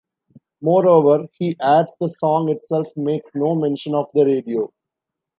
Moreover, he adds, the song itself makes no mention of the radio.